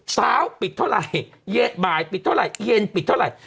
เช้าปิดเท่าไหร่บ่ายปิดเท่าไหร่เย็นปิดเท่าไหร่